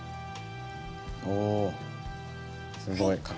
おすごい。